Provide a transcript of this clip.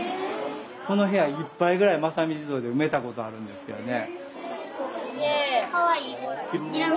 この部屋いっぱいぐらい「正己地蔵」で埋めたことあるんですけどね。